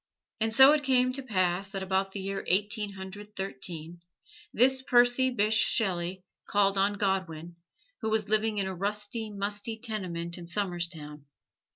And so it came to pass that about the year Eighteen Hundred Thirteen, this Percy Bysshe Shelley called on Godwin, who was living in a rusty, musty tenement in Somerstown.